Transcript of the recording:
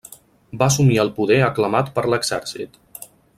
Va assumir el poder aclamat per l'exèrcit.